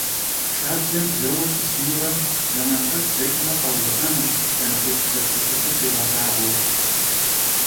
Şşabzeper zeue sısınure, zeman t'ek'u deç'me, kheuvı'enuş lhenıkhuit' zepeşıtır khiğelhağueu.